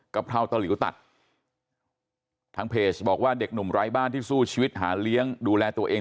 เพราตะหลิวตัดทางเพจบอกว่าเด็กหนุ่มไร้บ้านที่สู้ชีวิตหาเลี้ยงดูแลตัวเอง